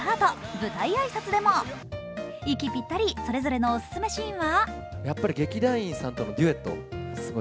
舞台挨拶でも遺棄ピッタリ、それぞれのオススメシーンは？